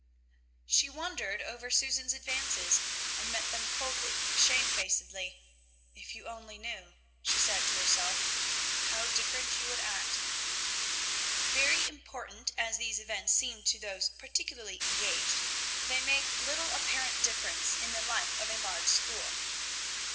She wondered over Susan's advances, and met them coldly, shamefacedly. "If you only knew," she said to herself, "how different you would act!" Very important as these events seem to those particularly engaged, they make little apparent difference in the life of a large school.